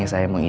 kenapa tau ya